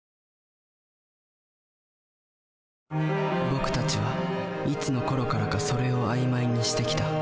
僕たちはいつのころからか「それ」を曖昧にしてきた。